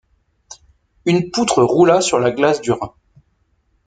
Une poutre roula sur la glace du Rhin.